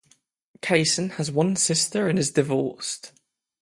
Kaysen has one sister and is divorced.